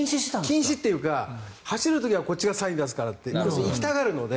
禁止というか走る時はこっちがサインを出すからと行きたがるので。